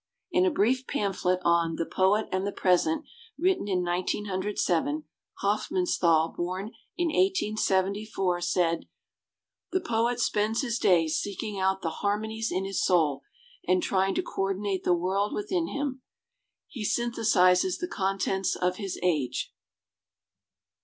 In a brief pamphlet on "The Poet and the Present" written in 1907, Hofmanns thal, born in 1874, said : The poet spends his days seeking out the harmonies in his soul and trying to coordinate the world within him. lie synthesizes the con tents of his age.